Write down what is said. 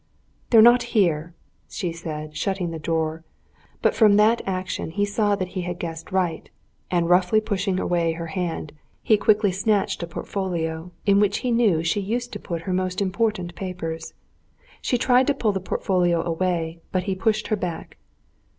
"They're not here," she said, shutting the drawer; but from that action he saw he had guessed right, and roughly pushing away her hand, he quickly snatched a portfolio in which he knew she used to put her most important papers. She tried to pull the portfolio away, but he pushed her back.